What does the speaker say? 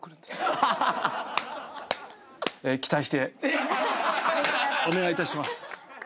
期待してお願いいたします。